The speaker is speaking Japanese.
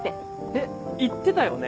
えっ言ってたよね？